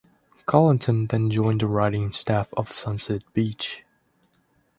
Culliton then joined the writing staff of "Sunset Beach".